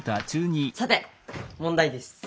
さて問題です！